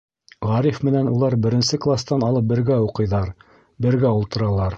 Ғариф менән улар беренсе кластан алып бергә уҡыйҙар, бергә ултыралар.